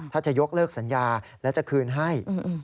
ถ้าจะยกเลิกสัญญาแล้วจะคืนให้